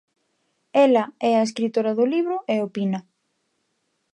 Ela é a escritora do libro e opina.